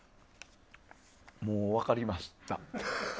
もう、分かりました。